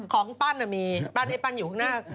ของปั้นมีปั้นให้ปั้นอยู่ข้างหน้า